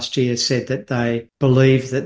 mengatakan bahwa mereka percaya